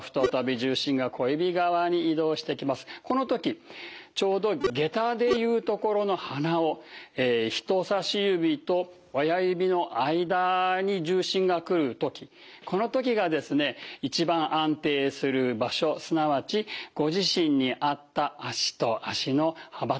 この時ちょうどげたで言うところの鼻緒人さし指と親指の間に重心が来る時この時がですね一番安定する場所すなわちご自身に合った足と足の幅となります。